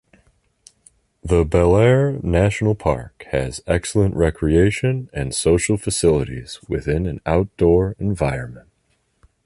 The Belair National Park has excellent recreation and social facilities within an outdoor environment.